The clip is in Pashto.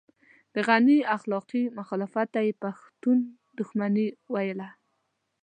د غني اخلاقي مخالفت ته يې پښتون دښمني ويله.